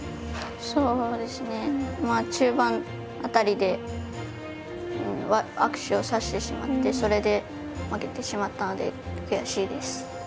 そうですねまあ中盤辺りで悪手を指してしまってそれで負けてしまったので悔しいです。